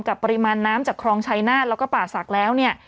กับปริมาณน้ำจากครองชัยนาศและป่าศักดิ์แล้ว